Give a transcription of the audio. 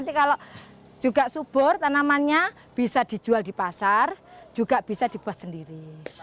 tanamannya bisa dijual di pasar juga bisa dibuat sendiri